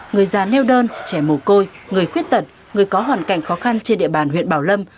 người già neo đơn trẻ mồ côi người khuyết tật người có hoàn cảnh khó khăn trên địa bàn huyện bảo lâm